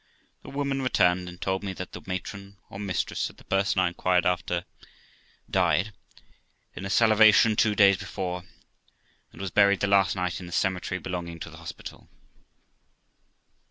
The woman returned, and told me that the matron, or mistress, said, the person I inquired after died in a salivation two days before, and was buried the last night in the cemetery belonging to the hospital.